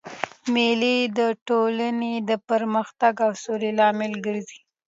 مېلې د ټولني د پرمختګ او سولي لامل ګرځي.